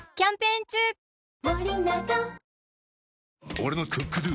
俺の「ＣｏｏｋＤｏ」！